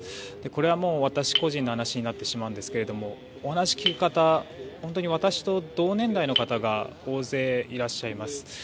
これは私個人の話になってしまうんですがお話を聞く方、本当に私と同年代の方が大勢いらっしゃいます。